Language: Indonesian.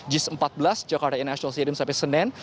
jis empat belas jakarta international stadium sampai senin